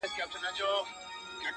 درد وچاته نه ورکوي”